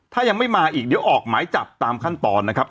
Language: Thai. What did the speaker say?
ถ้ายังไม่มาอีกเดี๋ยวออกหมายจับตามขั้นตอนนะครับ